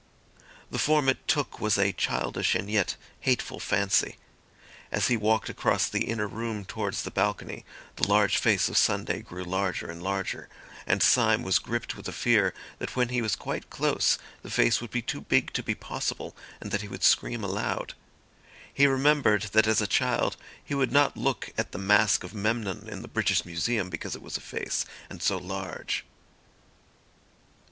The form it took was a childish and yet hateful fancy. As he walked across the inner room towards the balcony, the large face of Sunday grew larger and larger; and Syme was gripped with a fear that when he was quite close the face would be too big to be possible, and that he would scream aloud. He remembered that as a child he would not look at the mask of Memnon in the British Museum, because it was a face, and so large.